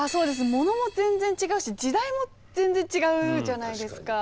物も全然違うし時代も全然違うじゃないですか。